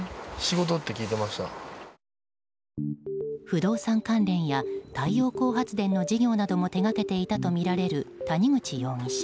不動産関連や太陽光発電などの事業も手がけていたとみられる谷口容疑者。